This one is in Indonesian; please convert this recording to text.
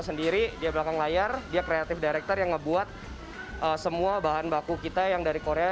sendiri dia belakang layar dia kreatif director yang ngebuat semua bahan baku kita yang dari korea